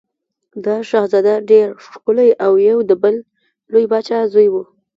دا شهزاده ډېر ښکلی او د یو بل لوی پاچا زوی و.